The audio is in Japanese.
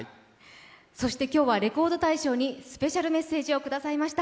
そして今日は「レコード大賞」にスペシャルメッセージをくださいました。